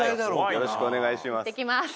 「よろしくお願いします」